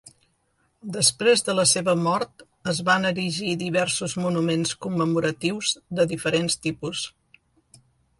Després de la seva mort es van erigir diversos monuments commemoratius de diferents tipus.